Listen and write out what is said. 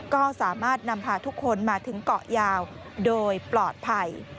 ก็สามารถนำพาทุกคนมาถึงเกาะยาวโดยปลอดภัย